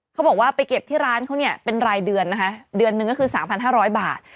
เขาบอกว่าไปเก็บที่ร้านเขาเนี่ยเป็นรายเดือนนะคะเดือนหนึ่งก็คือ๓๕๐๐บาท